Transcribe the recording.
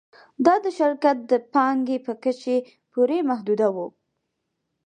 دا د شرکت د پانګې په کچې پورې محدوده وه